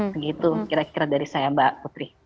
begitu kira kira dari saya mbak putri